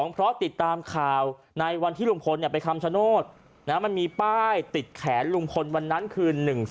เพราะติดตามข่าวในวันที่ลุงพลไปคำชโนธมันมีป้ายติดแขนลุงพลวันนั้นคือ๑๓